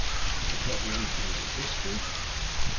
Could you tell me anything of his history?"